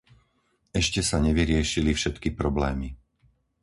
Ešte sa nevyriešili všetky problémy.